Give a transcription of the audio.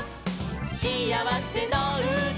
しあわせのうた」